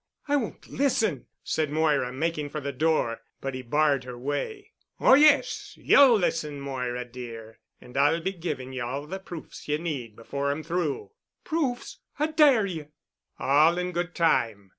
"I won't listen," said Moira, making for the door. But he barred her way. "Oh, yes, ye'll listen, Moira dear, and I'll be giving ye all the proofs ye need before I'm through." "Proofs! I dare you." "All in good time.